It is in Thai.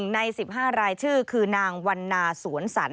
ใน๑๕รายชื่อคือนางวันนาสวนสัน